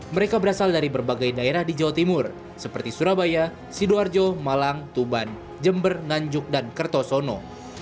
mereka berasal dari berbagai daerah di jawa timur seperti surabaya sidoarjo malang tuban jember nganjuk dan kertosono